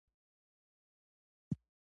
مځکه له اسمان سره ښکلی توازن لري.